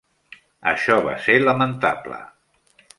Això va ser lamentable!